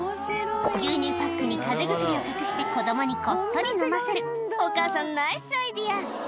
牛乳パックにかぜ薬を隠して子供にこっそり飲ませるお母さんナイスアイデア！